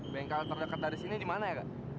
bengkel terdekat dari sini di mana ya kak